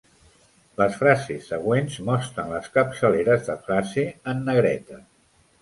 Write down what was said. Les frases següents mostren les capçaleres de frase en negreta.